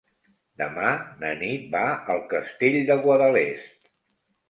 Demà na Nit va al Castell de Guadalest.